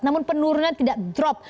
namun penurunan tidak drop